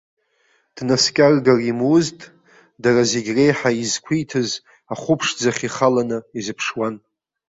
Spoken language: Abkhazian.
Днаскьаргар имузт, дара зегь реиҳа изқәиҭыз ахәыԥшӡахь ихаланы изыԥшуан.